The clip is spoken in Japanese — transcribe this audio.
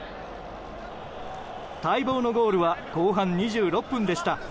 待望のゴールは後半２６分でした。